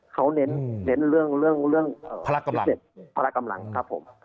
เขาเน้นเรื่องพลักกำลังครับผม